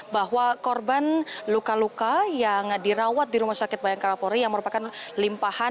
bahwa korban luka luka yang dirawat di rumah sakit bayangkara polri yang merupakan limpahan